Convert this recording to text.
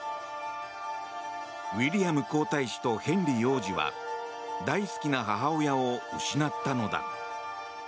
ウィリアム皇太子とヘンリー王子は大好きな母親を失ったのだ。